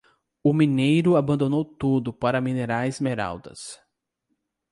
O mineiro abandonou tudo para minerar esmeraldas.